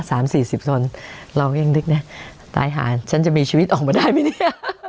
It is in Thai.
สามสี่สิบส่วนเราเองนึกน่ะตายหาฉันจะมีชีวิตออกมาได้มั้ยเนี้ย